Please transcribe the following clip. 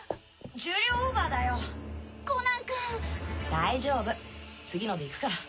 大丈夫次ので行くから。